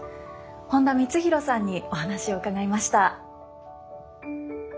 本田光洋さんにお話を伺いました。